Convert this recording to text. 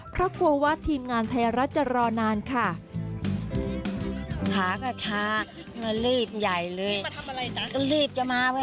เพราะกลัวว่าทีมงานไทยรัฐจะรอนานค่ะ